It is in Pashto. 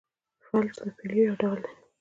فلج د پولیو یو ډول دی.